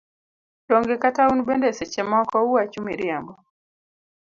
Donge kata un bende seche moko uwacho miriambo.